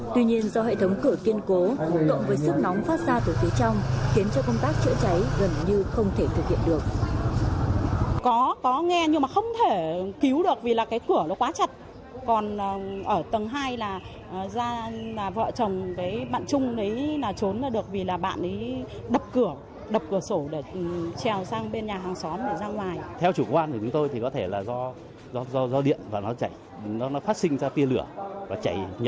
tuy nhiên do hệ thống cửa kiên cố động với sức nóng phát ra từ phía trong khiến cho công tác chữa cháy gần như không thể thực hiện được